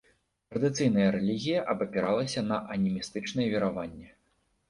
Традыцыйная рэлігія абапіралася на анімістычныя вераванні.